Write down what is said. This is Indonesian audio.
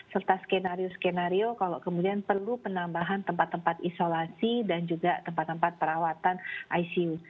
serta skenario skenario kalau kemudian perlu penambahan tempat tempat isolasi dan juga tempat tempat perawatan icu